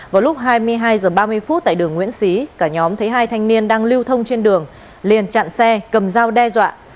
vào lúc hai mươi hai h ba mươi phút tại đường nguyễn xí cả nhóm thấy hai thanh niên đang lưu thông trên đường liền chặn xe cầm dao đe dọa